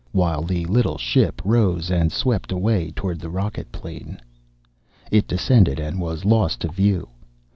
While the little ship rose and swept away toward the rocket plane. It descended and was lost to view.